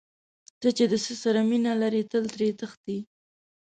ته چې د څه سره مینه لرې تل ترې تښتې.